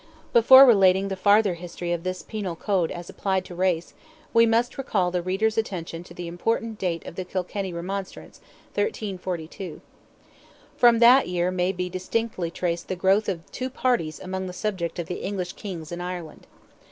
Before relating the farther history of this penal code as applied to race, we must recall the reader's attention to the important date of the Kilkenny Remonstrance, 1342. From that year may be distinctly traced the growth of two parties among the subjects of the English Kings in Ireland.